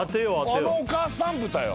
あのお母さん豚よ。